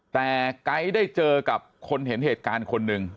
แต่ไก๊ได้เจอกับคนเห็นเหตุการณ์คนหนึ่ง